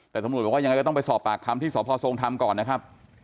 แต่สมมุติว่ายังไงก็ต้องไปสอบปากคำที่สพทรงทำก่อนนะครับ